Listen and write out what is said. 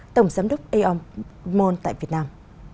tổng giám đốc aomon tại việt nam